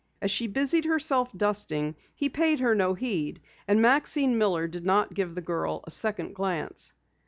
As she busied herself dusting, he paid her no heed, and Maxine Miller did not give the girl a second glance.